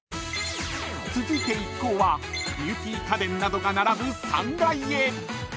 ［続いて一行はビューティー家電などが並ぶ３階へ］